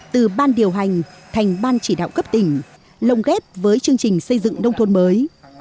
từ ban điều hành thành ban chỉ đạo cấp tỉnh lồng ghép với chương trình xây dựng nông thôn mới